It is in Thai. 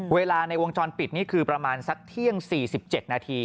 เวลาในวงจรปิดนี่คือประมาณสักเที่ยง๔๗นาที